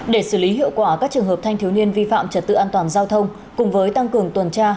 để xử lý hiệu quả các trường hợp thanh thiếu niên vi phạm trật tự an toàn giao thông cùng với tăng cường tuần tra